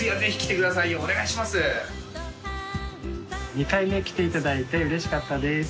２回目来ていただいてうれしかったです。